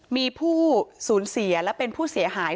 มีผู้ศูนย์เสียและผู้เสียหาย